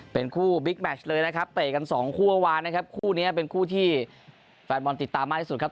เป็นคู่บิ๊กแมชเลยนะครับเตะกันสองคู่เมื่อวานนะครับคู่นี้เป็นคู่ที่แฟนบอลติดตามมากที่สุดครับ